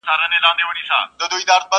زما په شنو بانډو کي د مغول آسونه ستړي سول،